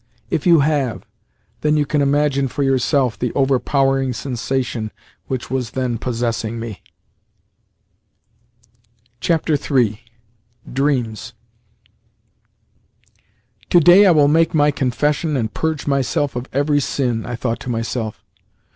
If you have, then you can imagine for yourself the overpowering sensation which was then possessing me. III. DREAMS "To day I will make my confession and purge myself of every sin," I thought to myself.